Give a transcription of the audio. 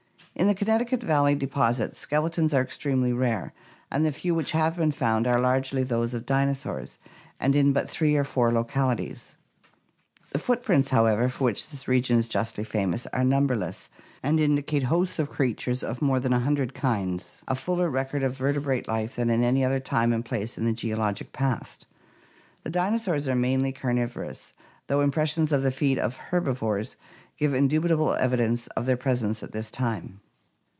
In the Connecticut valley deposits, skeletons are ex tremely rare and the few which have been found are largely those of dinosaurs, and in but three or four localities. The footprints, however, for which this region is justly famous, are numberless, and indicate hosts of creatures of more than a hundred kinds, a fuller record of vertebrate life than in any other time and place in the geologic past. The dinosaurs are mainly carnivorous, though impressions of the feet of herbivores give indubitable evidence of their presence at this time.